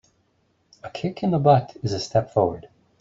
A kick in the butt is a step forward.